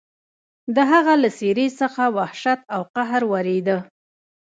د هغه له څېرې څخه وحشت او قهر ورېده.